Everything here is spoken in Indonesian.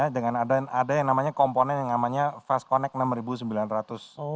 dengan ada yang namanya komponen yang namanya fast connect rp enam sembilan ratus